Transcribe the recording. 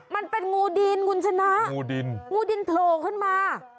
มันเป็นงูดีนกุญชนะงูดีนทรโหลขึ้นมา